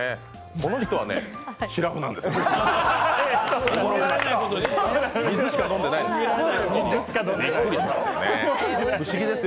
この人はね、しらふなんですよ。